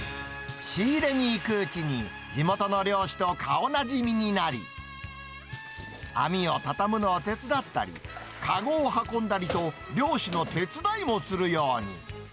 仕入れに行くうちに、地元の漁師と顔なじみになり、網を畳むのを手伝ったり、籠を運んだりと、漁師の手伝いもするように。